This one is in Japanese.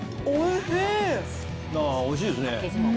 おいしいですね。